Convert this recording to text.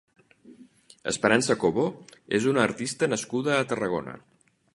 Esperança Cobo és una artista nascuda a Tarragona.